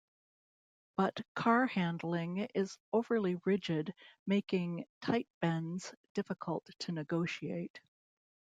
But car handling is overly rigid making tight bends difficult to negotiate.